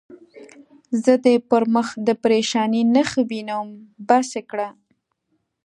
زه دې پر مخ د پرېشانۍ نښې وینم، بس یې کړه.